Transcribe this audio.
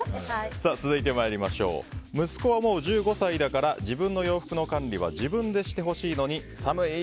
続いて息子はもう１５歳だから自分の洋服の管理は自分でしてほしいので寒い！